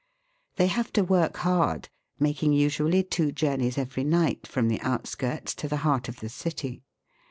They have to work hard, making usually two journeys every night from the outskirts to the heart of the city.